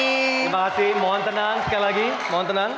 terima kasih mohon tenang sekali lagi mohon tenang